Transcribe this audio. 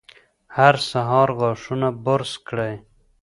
هر سهار غاښونه برس کړئ.